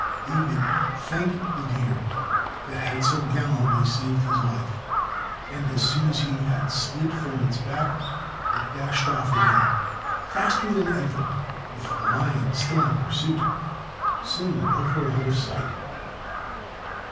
David thanked the deer that had so gallantly saved his life, and as soon as he had slid from its back it dashed off again, faster than ever with the lion still in pursuit. Soon both were out of sight.